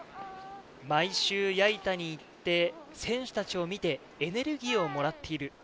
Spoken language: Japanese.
毎週、矢板に行って、選手たちを見てエネルギーをもらっている。